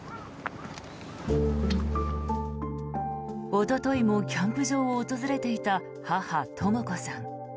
おとといもキャンプ場を訪れていた母・とも子さん。